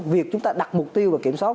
việc chúng ta đặt mục tiêu và kiểm soát